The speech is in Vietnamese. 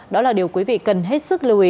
đó là điều quý vị cần hết sức lưu ý